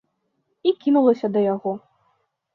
І кінулася да яго.